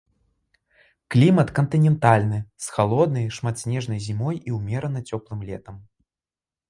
Клімат кантынентальны, з халоднай, шматснежнай зімой і ўмерана цёплым летам.